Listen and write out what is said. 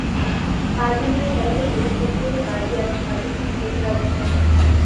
পাঁচ দিন ধরে সড়কের প্রবেশপথগুলোতে বাঁশ দিয়ে আটকে সার্বক্ষণিক প্রহরা বসানো হয়েছে।